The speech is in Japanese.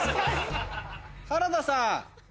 原田さん。